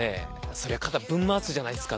そりゃ肩ぶん回すじゃないですか